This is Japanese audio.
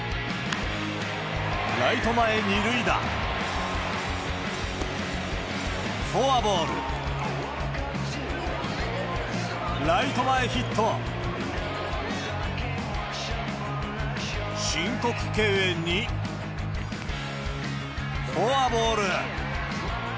ライト前２塁打、フォアボール、ライト前ヒット、申告敬遠に、フォアボール。